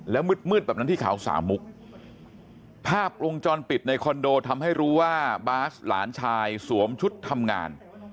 แล้วมืดแบบนั้นที่เขาสามมุกภาพวงจรปิดในคอนโดทำให้รู้ว่าบาสหลานชายสวมชุดทำงาน